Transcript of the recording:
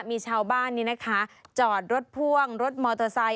มีชาวบ้านนี้นะคะจอดรถพ่วงรถมอเตอร์ไซค์